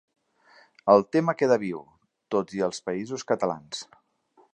El tema queda viu, tot i els Països Catalans.